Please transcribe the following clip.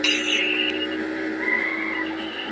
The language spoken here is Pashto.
شقاق د شق څخه اخيستل سوی دی.